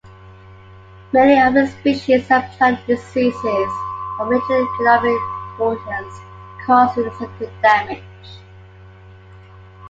Many of the species are plant diseases of major economic importance, causing significant damage.